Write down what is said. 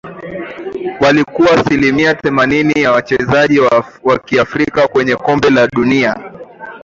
walikuwa asilimia themanini ya wachezaji Wa kiafrika kwenye kombe la dunia